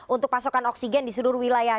untuk pasokan oksigen di seluruh wilayah